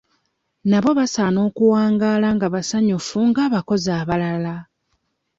Nabo basaana okuwangaala nga basanyufu ng'abakozi abalala.